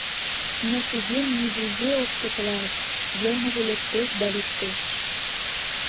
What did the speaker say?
Но кӧгӧн ниузе ок тӱкылалт, йылмыже лектеш да лектеш.